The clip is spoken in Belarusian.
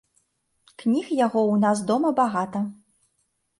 Кніг яго ў нас дома багата.